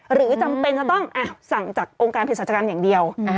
หรือจำเป็นจะต้องสั่งจากองค์การเพศรัชกรรมอย่างเดียว